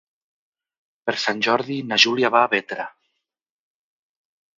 Per Sant Jordi na Júlia va a Bétera.